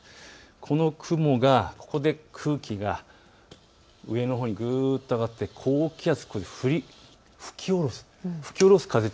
この雲がここで空気が上のほうにぐっと上がって高気圧を吹き降ろす。